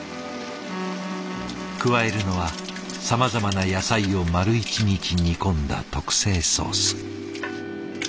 加えるのはさまざまな野菜を丸一日煮込んだ特製ソース。